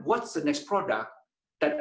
apa produk berikutnya